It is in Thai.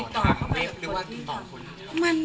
อะไรคุณว่าก็ได้ติดต่อคุณ